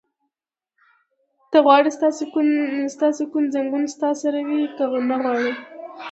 ته غواړې ستا ځنګون ستا سره وي؟ که نه غواړې؟